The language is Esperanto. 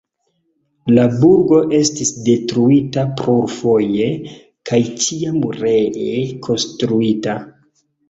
La burgo estis detruita plurfoje kaj ĉiam ree konstruita.